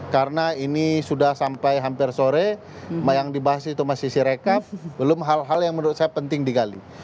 karena ini sudah sampai hampir sore yang dibahas itu masih sisi rekap belum hal hal yang menurut saya penting digali